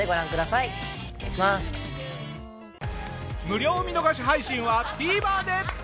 無料見逃し配信はＴＶｅｒで。